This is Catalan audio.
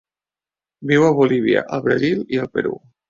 Viu a Bolívia, el Brasil i el Perú.